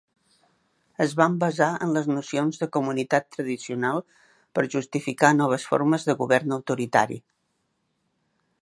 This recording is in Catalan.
Es van basar en les nocions de comunitat tradicional per justificar noves formes de govern autoritari.